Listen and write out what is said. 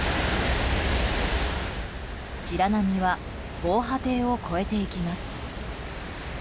白波は防波堤を越えていきます。